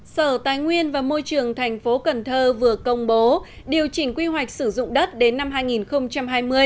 sở tài nguyên và môi trường thành phố cần thơ vừa công bố điều chỉnh quy hoạch sử dụng đất đến năm hai nghìn hai mươi